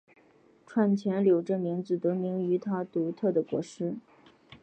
串钱柳这名字得名于它独特的果实。